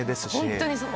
本当にそう！